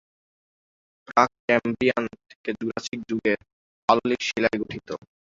প্রাক-ক্যাম্ব্রিয়ান থেকে জুরাসিক যুগের পাললিক শিলায় গঠিত।